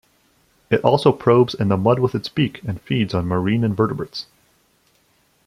It also probes in the mud with its beak and feeds on marine invertebrates.